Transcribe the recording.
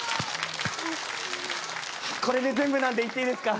これで全部なんで行っていいですか？